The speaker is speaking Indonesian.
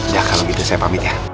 ya kalau gitu saya pamit ya